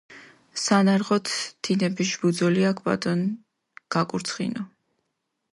სანარღოთ, თინეფიშ ბუძოლიაქ პატონი გაკურცხინუ.